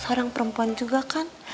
seorang perempuan juga kan